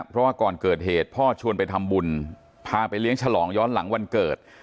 เพราะว่าก่อนเกิดเหตุพ่อชวนไปทำบุญพาไปเลี้ยงฉลองย้อนหลังวันเกิด